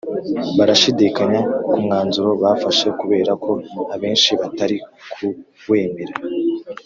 Barashidikanya kumwanzuro bafashe kubera ko abenshi batari kuwemera